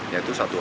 yaitu satu hal